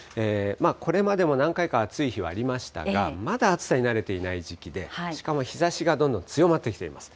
これまでも何回か暑い日はありましたが、まだ暑さに慣れていない時期で、しかも日ざしがどんどん強まってきています。